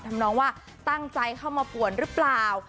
น้องว่าตั้งใจเข้ามาป่วนหรือเปล่า